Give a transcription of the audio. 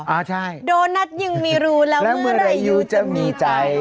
อ่าใช่โดนัทยิงมีรูแล้วเมื่อไหร่ยูจะมีใจ